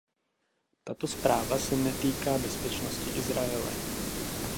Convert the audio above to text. Tato zpráva se netýká bezpečnosti Izraele.